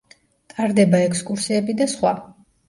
ტარდება ექსკურსიები და სხვა.